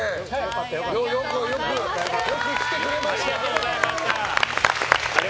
よく来てくれました！